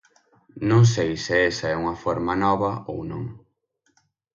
Non sei se esa é unha forma nova ou non.